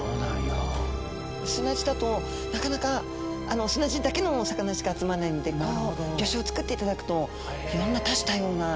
スタジオ砂地だとなかなか砂地だけのお魚しか集まらないのでこう魚礁を造っていただくといろんな多種多様なお魚たちがやって来て。